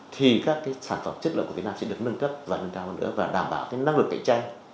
thì các sản phẩm chức lợi của việt nam sẽ được nâng cấp và đảm bảo năng lực cạnh tranh